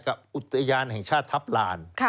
อุทยานแห่งชาติทัพลาน